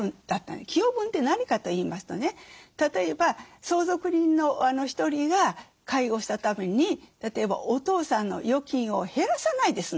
寄与分って何かといいますとね例えば相続人の１人が介護したために例えばお父さんの預金を減らさないで済んだと。